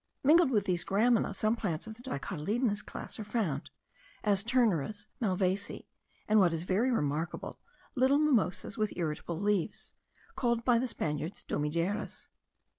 Mingled with these gramina some plants of the dicotyledonous class are found; as turneras, malvaceae, and, what is very remarkable, little mimosas with irritable leaves,* called by the Spaniards dormideras.